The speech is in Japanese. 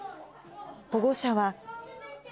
保護者は。